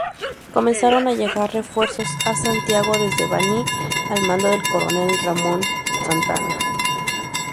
Comenzaron a llegar refuerzos a Santiago desde Baní al mando del coronel Ramón Santana.